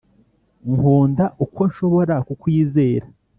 nkunda uko nshobora kukwizera.